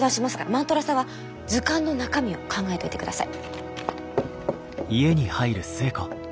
万太郎さんは図鑑の中身を考えといてください。